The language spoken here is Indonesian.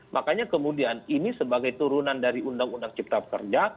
makanya kemudian ini sebagai turunan dari undang undang cipta kerja